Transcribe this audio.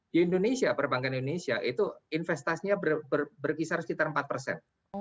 di indonesia perbankan indonesia itu investasinya berkisar sekitar empat persen